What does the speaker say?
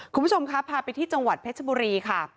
คุณผู้ชมครับพาไปที่จังหวัดเพชรบุรีค่ะ